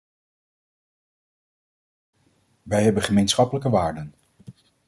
Wij hebben gemeenschappelijke waarden.